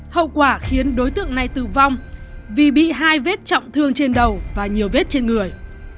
hậu quả khiến đối tượng này tử vong vì bị hai vết trọng thương trên đầu và nhiều vết trên người